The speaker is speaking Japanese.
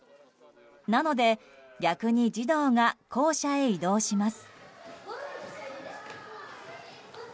なので、逆に児童が校舎へ移動します。